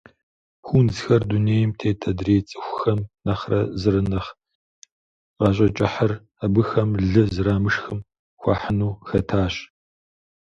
Хунзхэр дунейм тет адрей цӏыхухэм нэхърэ зэрынэхъ гъащӏэкӏыхьыр абыхэм лы зэрамышхым хуахьыну хэтащ.